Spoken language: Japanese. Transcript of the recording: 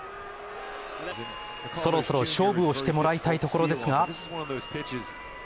そろそろ勝負をしてもらいたいところですが。